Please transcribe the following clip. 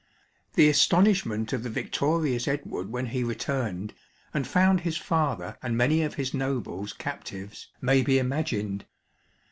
The astonishment of the victorious Edward when he returned, and found his father and many of his nobles captives, may be imagined.